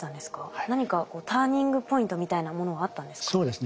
何かターニングポイントみたいなものはあったんですか？